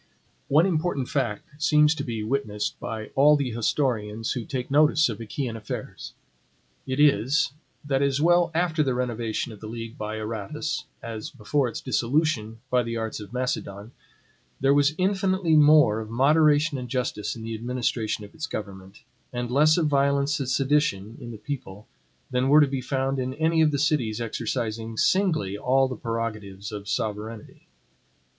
One important fact seems to be witnessed by all the historians who take notice of Achaean affairs. It is, that as well after the renovation of the league by Aratus, as before its dissolution by the arts of Macedon, there was infinitely more of moderation and justice in the administration of its government, and less of violence and sedition in the people, than were to be found in any of the cities exercising SINGLY all the prerogatives of sovereignty.